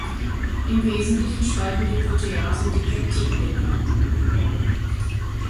Im Wesentlichen spalten die Proteasen die Peptidbindung.